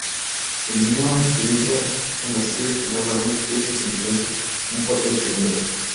El niño estrella de la serie original, Brandon Cruz, desempeñó un papel secundario.